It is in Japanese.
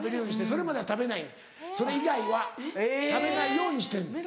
それまでは食べないそれ以外は食べないようにしてんの。